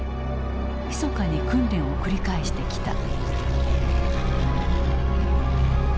ひそかに訓練を繰り返してきた。